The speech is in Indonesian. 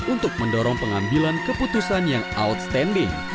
untuk mendorong pengambilan keputusan yang outstanding